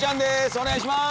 お願いします。